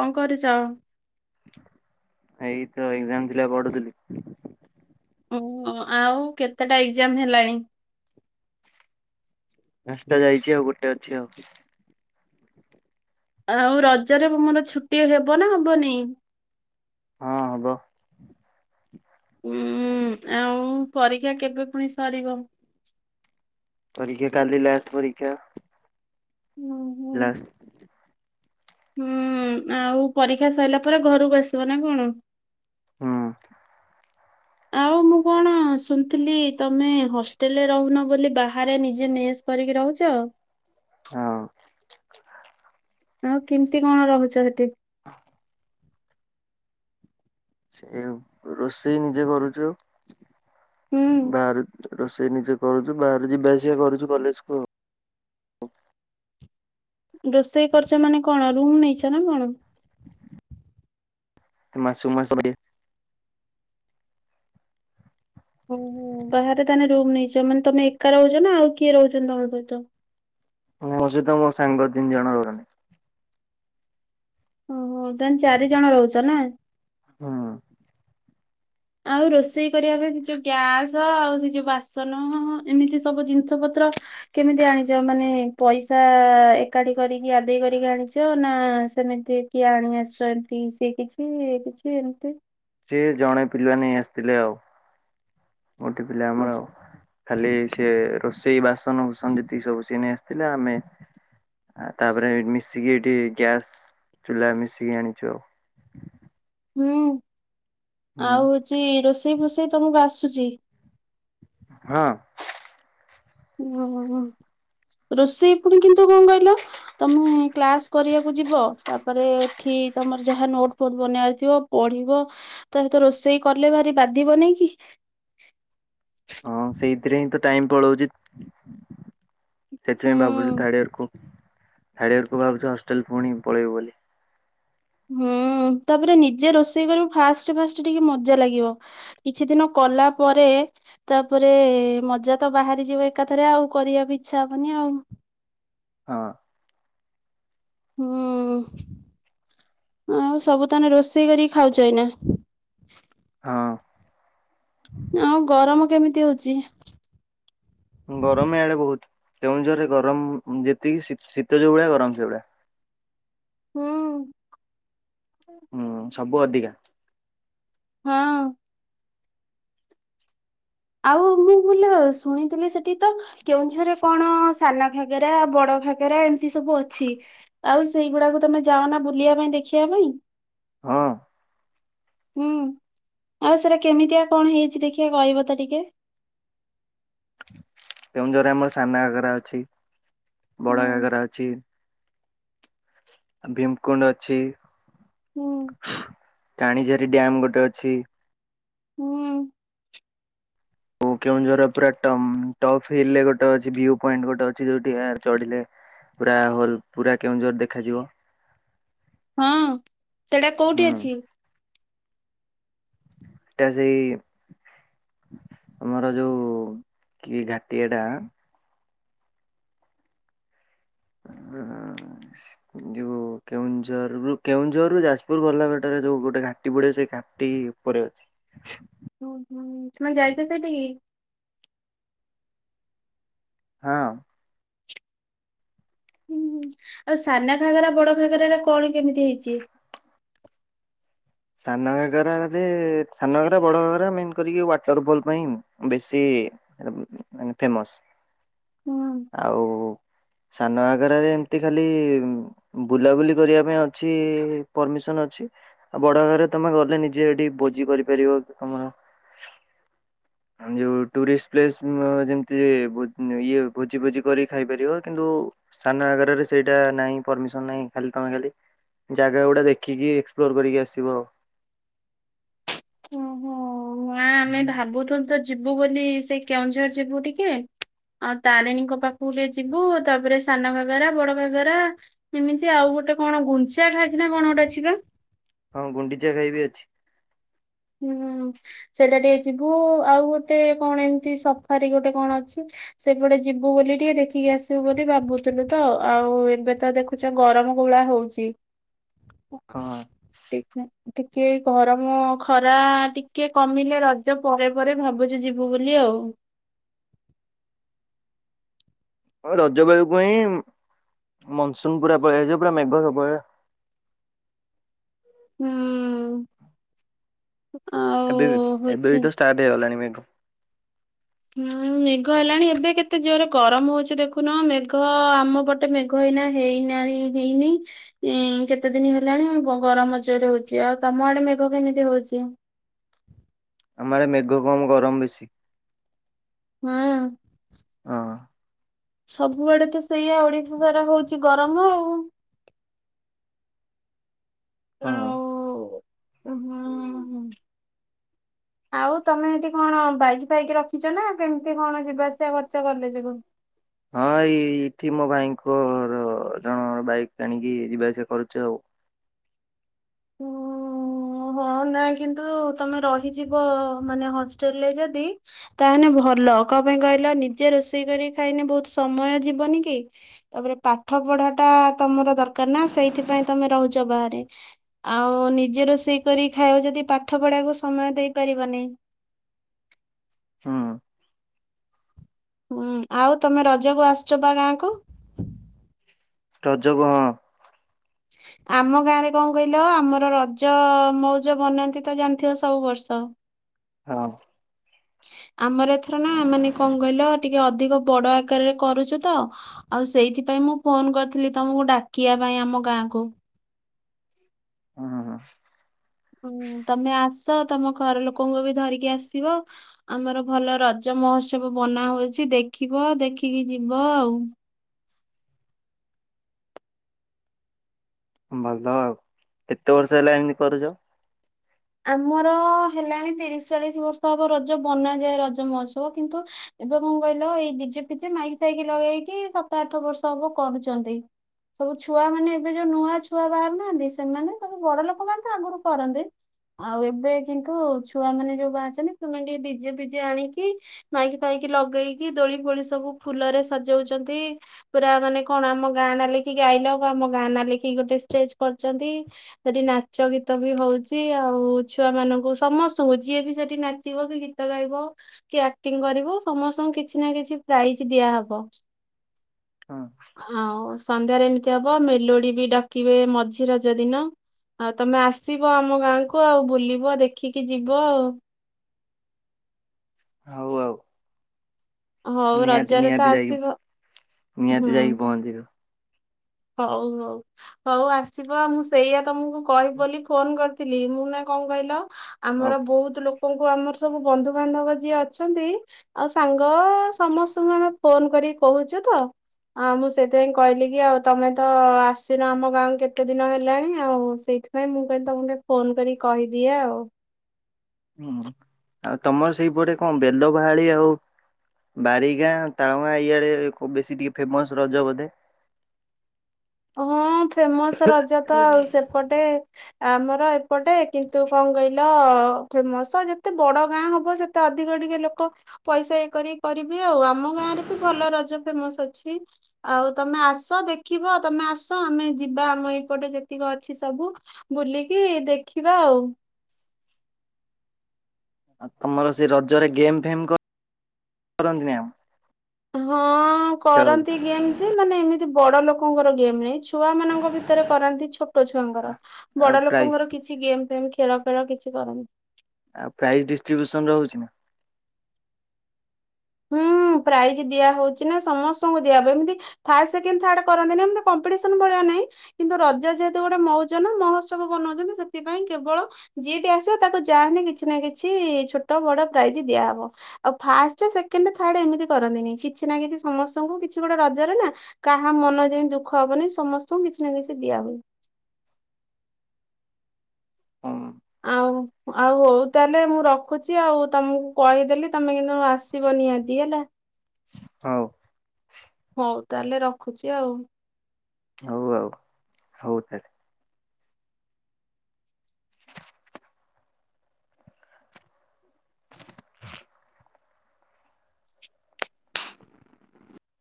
କଣ କରୁଛ। ଏଇ ତ ଏଗ୍ଜାମ ଥିଲା ପଢୁଥିଲି। ଉ ଆଉ କେତେଟା ଏଗ୍ଜାମ ହେଲାଣି। ରାସ୍ତା ଯାଇଛି ଆଉ ଗୋଟେ ଅଛି ଆଉ ଆଉ ରଜରେ ମୋର ଛୁଟି ହେବ ନା ହବନି? ହଁ ହବ। ହୁଁ ଆଉ ପରୀକ୍ଷା କେବେ ପୁଣି ସରିବ? ପରୀକ୍ଷା କାଲି ଲାଷ୍ଟ ପରୀକ୍ଷା। ଓହୋ ଲାଷ୍ଟ୍। ହୁଁ ଆଉ ପରୀକ୍ଷା ସଇଲା ପରେ ଘରୁକୁ ଆସିବ ନା କଣ? ହୁଁ। ଆଉ ମୁଁ କଣ ଶୁଣିଥିଲି ତମେ ହଷ୍ଟେଲରେ ରହୁନ ବୋଲି ବାହାରେ ନିଜେ ମେ କରିକି ରହୁଛ। ହଁ। ଆଉ କେମିତି କଣ ରହୁଛ ସେଠି? ହଁ। ସେ ରୋଷେଇ ନିଜେ କରୁଛୁ ଆ ହୁଁ ବାହ ରୋଷେଇ ସେ ନିଜେ କରୁଛୁ ବାହାରୁ ଯିବା ଆସିବା କରୁଛୁ କଲେଜକୁୁ ଆଉ। ରୋଷେଇ କରୁଛ ମାନେ କଣ ରୁମ୍ ନେଇଛ ନା କଣ? ମାସୁ କୁ ମାସ ଓହୋ ବାହାରେ ତାହେ ରୁମ୍ ନେଇଛ ମାନେ ତମେ ଏକା ରହୁଛ ନା ଆଉ କିଏ ରହୁଛନ୍ତି ତମ ସହିତ? ମୋ ସହିତ ମୋ ସାଙ୍ଗ ତିନି ଜଣ ରଗଣି ଓହୋ ତା ଚାରି ଜଣ ରହୁଛ ନା? ହଁ। ଆଉ ରୋଷେଇ କରିବା ପାଇଁ ସେ ଯୋଉ ଗ୍ୟାସ ଆଉ ସେ ଯୋଉ ବାସନ ଏମିତି ସବୁ ଜିନିଷ ପତ୍ର କେମିତି ଆଣିଛ ମାନେ ପଇସା ଏକାଠି କରିକି ଆଦେଇ କରିକି ଆଣିଛ ନା ସେମିତି କିଏ ଆଣି ଆସିଛ ଏମତି ସିଏ କିଛି କିଛି ଏମିତି ଜିଏ ଜଣେ ପିଲା ନେଇ ଆସିଥିଲେ ଆଉ। ଗୋଠି ପିଲା ଓ, ଆମର ଆଉ ଖାଲି ସିଏ ରୋଷେଇ ବାସନ କୁସନ ଯେତିକି ସବୁ ସିଏ ନେଇ ଆସିଥିଲେ ଆମେ ଆ ତାପରେ ମିଶିକି ଏଠି ଗ୍ୟାସ୍ ଚୁଲା ମିଶିକି ଆଣିଛୁ ଆଉ। ହୁଁ ହୁଁ ଆଉ ହଉଛି ରୋଷେଇ ଫୋଷେଇ ତମକୁ ଆସୁଛି? ହଁ। ଓ ରୋଷେଇ ପୁଣି କିନ୍ତୁ କଣ କହିଲ? ତମେ କ୍ଲାସ କରିବାକୁ ଯିବ ତାପରେ ଏଠି ତମର ଯାହା ନୋଟ ଫୋଟ ବନବାରଥିବ ପଢିବ ତାତ ରୋଷେଇ କଲେ ଭାରି ବାଧିବ ନାଇଁ କି? ହଁ ସେଇଥିରେ ହିଁ ତ ଟାଇମ ପଳାଉଛି ସେଥିପାଇଁ ଭାବୁଛି ହୁଁ ଥାର୍ଡିୟର କୁ ଥିର୍ଡିୟର୍ ଭାବୁଛ ହଷ୍ଟେଲ ପୁଣି ପଳେଇବୁ ବୋଲି। ହୁଁ ତାପରେ ନିଜେ ରୋଷେଇ କରିବୁ ଫାଷ୍ଟ ଫାଷ୍ଟ ଟିକେ ମଜା ଲାଗିବ। କିଛି ଦିନ କଲା ପରେ ତାପରେ ମଜା ତ ବାହାରି ଯିବ ଏକାଥରେ ଆଉ କରିବା ବି ଇଚ୍ଛା ହବନି ଆଉ। ହଁ। ହୁଁ ଆଉ ସବୁ ତାନେ ରୋଷେଇ କରିକି ଖାଉଛ ଏଇନା? ହଁ। ଆଁ ଗରମ କେମିତି ହଉଛି? ଗରମ ଏଇଆଡେ ବହୁତ କେଉଁଝରରେ ଗରମ ଯେତିକି ଶୀତ ଯୋଉଭଳିଆ ଗରମ ସେଇଭଳିଆ। ହୁଁ। ହୁଁ ସବୁ ଅଧିକା ହଁ। ଆଉ ମୁଁ ବୋ ଶୁଣିଥିଲି ସେଠି ତ କେଉଁଝରେ କଣ ସାନ ଘାଗେରା ବଡ ଘାଗେରା ଏମିତି ସବୁ ଅଛି। ଆଉ ସେଇଗୁଡାକୁ ତମେ ଯାଅ ନା ବୁଲିବା ପାଇଁ ଦେଖିବା ପାଇଁ? ହଁ। ହୁଁ ଆଉ ସେଇରା କେମିତିଆ କଣ ହେଇଛି ଦେଖିଆ କହିବ ତ ଟିକେ କେଉଁଝରରେ ଆମର ସାନ ଘାଗରା ଅଛି। ବଡ ହୁଁ ଘାଗର ଅଛି ଭୀମ୍ କୁଣ୍ଡ ଅଛି। ହୁଁ ଟାଣିଝାରୀ ଡ୍ୟାମ ଗୋଟେ ଅଛି। ହୁଁ କେଉଁ ଜର ପୁରା ଟପ୍ ହିଲ୍ ରେ ଗୋଟେ ଅଛି ଭ୍ୟୁ ପଏଣ୍ଟ ଗୋଟେ ଅଛି ଯୋଉଠି ଚଢିଲେ ପୁରା ହଲ ପୁରା କେଉଁ ଝର ଦେଖାଯିବ। ହଁ ସେଟା ହୁଁ କୋଉଠି ଅଛି? ଏଟା ସେଇ ଆମର ଯୋଉ କି ଘାଟି ଏଟା ଉଁ ଯୋଉ କେଉଁଝରରୁ କେଉଁଝରରୁ ଯାଜପୁର ଗଲାବାଟରେ ଯୋଉ ଗୋଟେ ଘାଟି ପଡ଼େ ସେ ଘାଟି ଉପରେ ଅଛି। [unintelligible] ଉଁ ହୁଁ ତମେ ଯାଇଛ ସେଇଠି କି ହଁ। ହୁଁ ଆଉ ସାନ ଘାଗରା ବଡ ଘାଗରାଟା କଣ କେମିତି ହେଇଛି। ସାନ ଘାଗରା ରେ ସାନରା ବଡାଗରା ମେନ୍ କରିକି ୱାଟର ଫଲ ପାଇଁ। ବେଶୀ ଫେମସ ହୁଁ ଆଉ ସାନ ଘାଗରାରେ ଏମିତି ଖାଲି ବୁଲାବୁଲି କରିବା ପାଇଁ ଅଛି ପରମିସନ୍ ଅଛି। ଆଉ ବଡ ଘାଗରା ତମେ ଗଲେ ନିଜେ ଏଠି ଭୋଜି କରିପାରିବ ତମର ଯୋଉ ଟୁରିଷ୍ଟ ପ୍ଲେସ ଯେମତି ଇଏ ଭୋଜି ଭୋଜି କରି ଖାଇପାରିବ କିନ୍ତୁ? ସାନ ଘାଗରରେ ସେଇଟା ନାହିଁ ପରମିସନ ନାହିଁ ଖାଲି ତମେ ଖାଲି ସେଠି ଜାଗା ଗୁଡା ଦେଖିକି ଏକ୍ସପ୍ଲୋର କରିକି ଆସିବ ଆଉ। ଓହୋ ନା ଆମେ ଭାବୁଥୁଲୁ ତ ଯିବୁ ବୋଲି ସେ କେଉଁଝର ଯିବୁ ଟିକେ ଆଉ ତାରିଣୀଙ୍କ ପାଖକୁ ଟିକେ ଯିବୁ ତାପରେ ସାନ ଘାଗରା ବଡ ଘାଗରା ଏମିତି ଆଉ ଗୋଟେ କଣ ଗୁଞ୍ଚା ଖାଡି ନା କଣ ଗୋଟେ ଅଛି ପା ହଁ ଗୁଣ୍ଡିଚା ଘାଇ ବି ଅଛି। ହୁଁ ସେଇଟା ଟିକେ ଯିବୁ ଆଉ ଗୋଟେ କଣ ଏମତି ସଫାରି ଗୋଟେ କଣ ଅଛି। ସେଇପଟେ ଯିବୁ ବୋଲି ଟିକେ ଦେଖିକି ଆସିବୁ ବୋଲି ଭାବୁଥିଲଥିଲୁ ତ ଆଉ ଏବେ ତ ଦେଖ ଆଛା ଗରମ କୋଉଭଳିଆ ହଉଛି। ହଁ [unintelligible] ଟିକେ ଗରମ ଖରା ଟିକେ କମିଲେ ରଜ ପରେ ପରେ ଭାବୁଛି ଯିବୁ ବୋଲି ଆଉ ରଜ ବେଳକୁ ହିଁ ମନସୁନ ପୁରା ପଳେଇଆବ ପୁରା ମେଘ ସବୁ ବେଳେ। ହୁଁ ଆଉ ଏବେ ବି ଏବେ ହଉଛି ବି ତ ଷ୍ଟାର୍ଟ ହେଇଗଲାଣି ମେଘ। ହୁଁ ମେଘ ହେଲାଣି ଏବେ କେତେ ଜୋରେ ଗରମ ହଉଛି ଦେ ଖୁନ ମେଘ ଆମ ପଟେ ମେଘ ହେଇନା ହେଇନା ହେଇନି। ଉଁ କେତେ ଦିନ ହେଲାଣି ଗରମ ଜୋରରେ ହଉଛି। ଆଉ ତମ ଆଡେ ମେଘ କେମିତି ହଉଛି? ଆମର ଆଡ଼େ ମେଘ କମ ଗରମ ବେଶୀ। ହୁଁ ହଁ। ସବୁଆଡେ ତ ସେଇଆ ଓଡିଶା ସାରା ହଉଛି ଗରମ ଆଉ। ହଁ। ଉଁ ହୁଁ ହୁଁ ହ [unintelligible] ଆଉ ତମେ ଏଠି କଣ ବାଇକ ଫାଇକି ରଖିଛ ନା କେମିତି କଣ ଯିବା ଆସିବା କରୁଛ କଲେଜକୁ? ହଁ ଏଇ ଏଇଠି ମୋ ଭାଇଙ୍କର ଜଣ ବାଇକ୍ ଆଣିକି ଯିବା ଆସିବା କରୁଛୁ ଆଉ। ହ [unintelligible] ମୁଁ ହଁ ନାଇଁ କିନ୍ତୁ ତମେ ରହିଯିବ ମାନେ ହଷ୍ଟେଲରେ ଯଦି ତାହେନେ ଭଲ କଁ ପାଇଁ କହିଲ ନିଜେ ରୋଷେଇ କରି ଖାଇନେ ବହୁତ ସମୟ ଯିବନି କି? ତାପରେ ପାଠ ପଢା ଟା ତମର ଦରକାର ନା ସେଇଥିପାଇଁ ତମେ ରହୁଚ ବାହାରେ। ଆଉ ନିଜେ ରୋଷେଇ କରି ଖାଇବ ଯଦି ପାଠ ପଢାକୁ ସମୟ ଦେଇପାରିବନେଇ। ହଁଅଁ ହୁଁ ଆଉ ତମେ ରଜକୁ ଆସୁଚ ପା ଗାଁକୁ। ରଜକୁ ହଁ। ଆମ ଗାଁ ରେ କଣ କହି ଲ ଆମର ରଜ ମଉଜ ବନାନ୍ତି ତ ଜାଣି ଥିବ ସବୁ ବର୍ଷ। ହଁଅଁ। [unintelligible] ଆମର ଏଥର ନା ମାନେ କଣ କଇଲ ଟିକେ ଅଧିକ ବଡ ଆକାରରେ କରୁଚୁ ତ ଆଉ ସେଇଥିପାଇଁ ମୁଁ ଫୋନ କରିଥିଲି ତମକୁ ଡାକିଆ ପାଇଁ ଆମ ଗାଁକୁ। ଅଁ ହଁ [unintelligible] ତମେ ଆସ ତମ ଘର ଲୋକଙ୍କୁ ବି ଧରିକି ଆସିବ। ଆମର ଭଲ ରଜ ମହୋତ୍ସବ ବନା ହଉଚି ଦେଖିବ ଦେଖିକି ଯିବ ଆଉ। ଭଲ ଆଉ କେତେ ବର୍ଷ ହେଲା ଏମତି କରୁଚ? ଆମର ହେଲାଣି ତିରିଶ ଚାଳିଶ ବର୍ଷ ହବ ରଜ ବନାଯାଏ ରଜ ମହୋତ୍ସବ କିନ୍ତୁ ଏବେ କଁ କଇଲ ଏଇ ଡି ଜେ ଫି ଜେ ମାଇକି ଫାଇକି ଲଗେଇକି ସାତ ଆଠ ବର୍ଷ ହବ କରୁଚନ୍ତି। ସବୁ ଛୁଆ ମାନେ ଏବେ ଯୋଉ ନୂଆ ଛୁଆ ବାହାରୁ ନାହାନ୍ତି ସେମାନେ ସବୁ ବଡ ଲୋକମାନେ ତ ଆଗୁରୁ କରନ୍ତି। ଆଉ ଏବେ କିନ୍ତୁ ଛୁଆମାନେ ଯୋଉ ବାହାରିଛନ୍ତି ସେମାନେ ଟିକେ ଡିଜେ ଫିଜେ ଆଣିକି ମାଇକି ଫାଇକି ଲଗେଇକି ଦୋଳି ଫୋଳି ସବୁ ଫୁଲରେ ସଜଉଚନ୍ତି। ପୁରା ମାନେ କଣ ଆମ ଗାଁ ନା ଲେଖିକି ଆଇ ଲଭ ଆମ ଗାଁ ନା ଲେଖିକି ଗୋଟେ ଷ୍ଟେଜ କରଚନ୍ତି। ସେଠି ନାଚ ଗୀତ ବି ହଉ ଚି ଆଉ ଛୁଆ ମାନଙ୍କୁ ସମସ୍ତଙ୍କୁ ଯିଏ ବି ସେଠି ନାଚିବ କି ଗୀତ ଗାଇବ କିଏ ଆକ୍ଟିଂ କରିବ ସମସ୍ତଙ୍କୁ କିଛି ନା କିଛି ପ୍ରାଇଜ ଦିଆହବ। ହଁଅଁ ହଁଅଁ ସନ୍ଧ୍ୟାରେ ଏମିତି ହବ ମେଲୋଡି ବି ଡାକିବେ ମଝି ରଜ ଦିନ। ଆଉ ତମେ ଆସିବ ଆମ ଗାଁକୁ ଆଉ ବୁଲିବ ଦେଖିକି ଯିବ ଆଉ। ହଉ ଆଉ। ହଉ ନିହାତି ରଜରେ ନିହାତି ତ ଆସିବ। ହୁଁ ମନ୍ଦିର [unintelligible] ହଉ ହଉ। ହଉ ଆସିବ ମୁଁ ସେଇଆ ତମକୁ କହିବି ବୋଲି ଫୋନ କରିଥିଲି ମୁଁ ନା କଁ କଇଲ ଆଉ ଆମର ବୋହୁତ ଲୋକଙ୍କୁ ଆମର ସବୁ ବନ୍ଧୁବାନ୍ଧବ ଯିଏ ଅଛନ୍ତି। ଆଉ ସାଙ୍ଗ ସମସ୍ତଙ୍କୁ ଆମେ ଫୋନ କରିକି କହୁଚୁ ତ ଆ ମୁଁ ସେଥିପାଇଁ କହିଲି କି ଆଉ ତମେ ତ ଆସିନ ଆମ ଗାଁ କୁ କେତେ ଦିନ ହେଲାଣି ଆଉ ସେଇଥିପାଇଁ ମୁଁ କଇଲି ତମୁକୁ ଟିକେ ଫୋନ କରିକି କହିଦିଏ ଆଉ। ତମର ସେଇପଟେ କଁ ବେଲ ଵାହାଳି ଆଉ ବାରିଗାଁ ତାଳମାଁ ଇଆଡେ ବେଶୀ ଟିକେ ଫେମସ ରଜ ବୋଧେ। [unintelligible] ହଁ ଫେମସ ରଜ ତ ଆଉ ସେପଟେ। ଆମର ଏପଟେ କିନ୍ତୁ କଁ କଇଲ ଫେମସ ଯେତେ ବଡ ଗାଁ ହବ ସେ ତେ ଅଧିକ ଟିକେ ଲୋକ ପଇସା ଇଏ କରି କରିବି ଆଉ ଆମ ଗାଁରେ ବି ଭଲ ରଜ ଫେମସ ଅଛି। ଆଉ ତମେ ଆସ ଦେଖିବ ତମେ ଆସ ଆମେ ଯିବା ଆମ ଏଇପଟେ ଯେତିକ ଅଛି ସବୁ ବୁଲିକି ଦେଖିବା ଆଉ। ଆଉ ତମର ସେ ରଜରେ ଗେମ୍ ଫେମ୍ କଁ କରନ୍ତିନି ଆଉ। ହଁ କରନ୍ତି ଗେମ୍ ଯେ ମାନେ ଏମିତି ବଡ଼ ଲୋକଙ୍କର ଗେମ୍ ନାହିଁ ଛୁଆ ମାନଙ୍କ ଭିତେରେ କରାନ୍ତି ଛୋ ଛୋଟ ଛୁଆଙ୍କର ଆଉ ବଡ଼ ପ୍ରାଇଜ ଲୋକଙ୍କର କିଛି ଗେମ୍ ଫେମ୍ ଖେଳ ଫେଳ କିଛି କର ଆଉ ପ୍ରାଇଜ୍ ଡିଷ୍ଟ୍ରିବ୍ୟୁସନ ରହୁଚିନା? ହୁଁ ପ୍ରାଇଜ୍ ଦିଆ ହଉଚିନା ସମସ୍ତଙ୍କୁ ଦିଆ ହବ ଏମିତି ଫାର୍ ସେକଣ୍ଡ ଥାର୍ଡ କରନ୍ତିନି ଏମି କମ୍ପିଟିସନ୍ ଭଳିଆ ନାଇଁ। କିନ୍ତୁ ରଜ ଯେହେତୁ ଗୋଟେ ମୌଜନା ମହୋତ୍ସବ ବନାଉଚନ୍ତି ସେଥିପାଇଁ କେବଳ ଯିଏବି ଆସିବ ତାକୁ ଯାହାଲେ କିଛିନା କିଛି ଛୋଟ ବଡ଼ ପ୍ରାଇଜ୍ ଦିଆହବ। ଆଉ ଫାଷ୍ଟ ସେକେଣ୍ଡ ଥାର୍ଡ ଏମିତି କରନ୍ତିନି କିଛିନା କିଛି ସମସ୍ତଙ୍କୁ କିଛି ଗୋଟେ ରଜରେ ନା କାହା ମନ ଯେମିତି ଦୁଃଖ ହବନି ସମସ୍ତଙ୍କୁ କିଛିନା କିଛି ଦିଆ ହୁଏ। ହଉ ଆଉ ଆଉ ହଉ ତାହେଲେ ମୁଁ ରଖୁଛି ଆଉ ତମକୁ କହିଦେଲି ତମେ କିନ୍ତୁ ଆସ ଆବନି ଆଜି ହେଲା ହୋଉ ତାହେଲେ ରଖୁଛି ଆଉ। ହଉ ଆଉ ହଉ ତାହାଲେ। [inaudible]